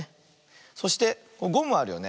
そしてゴムあるよね。